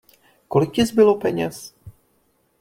Kolik ti zbylo peněz?